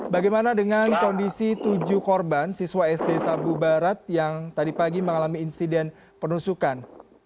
bagaimana dengan kondisi tujuh korban siswa sd sabu barat yang tadi pagi mengalami insiden penusukan